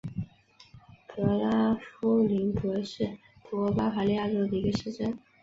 格拉夫林格是德国巴伐利亚州的一个市镇。